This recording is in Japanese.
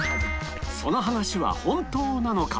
その話は本当なのか？